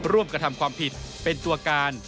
กระทำความผิดเป็นตัวการ